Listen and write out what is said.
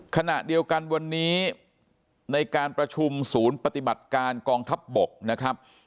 ขณะเดียวกันวันนี้ในการประชุมศูนย์ปฏิบัติการกองทัพบกนะครับ